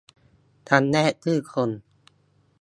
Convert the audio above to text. จำแนกชื่อคน